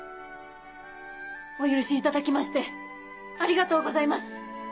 お許しいただきましてありがとうございます！